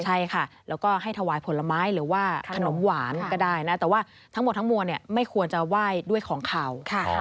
ใช่ค่ะแล้วก็ให้ถวายผลไม้หรือว่าขนมหวานก็ได้นะแต่ว่าทั้งหมดทั้งมวลเนี่ยไม่ควรจะไหว้ด้วยของขาว